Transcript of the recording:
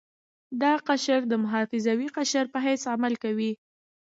دا قشر د محافظوي قشر په حیث عمل کوي.